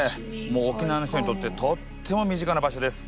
もう沖縄の人にとってとっても身近な場所です。